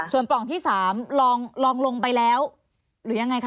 ส่วนปล่องที่๓ลองลงไปแล้วหรือยังไงคะ